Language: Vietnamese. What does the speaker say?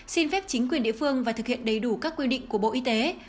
xin phép chính quyền địa phương và thực hiện đầy đủ các quy định của bộ y tế